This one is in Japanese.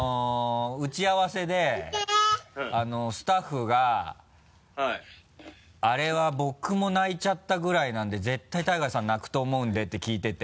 打ち合わせでスタッフが「あれは僕も泣いちゃったぐらいなんで絶対ＴＡＩＧＡさん泣くと思うんで」って聞いてて。